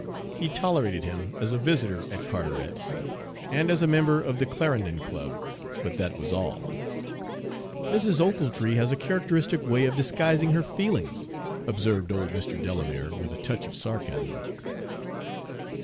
He tolerated him as a visitor at Carteret's and as a member of the Clarendon Club, but that was all. "Mrs. Ochiltree has a characteristic way of disguising her feelings," observed old Mr. Delamere, with a touch of sarcasm.